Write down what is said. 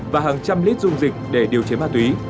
và hàng trăm lít dung dịch để điều chế ma túy